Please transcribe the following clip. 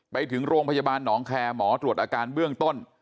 ไปถึงโรงพยาบาลหนองแคร์หมอตรวจอาการเบื้องต้น